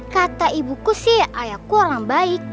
kata ibuku sih ayahku orang baik